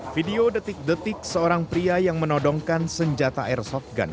video detik detik seorang pria yang menodongkan senjata airsoftgun